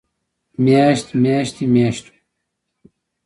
مياشت، مياشتې، مياشتو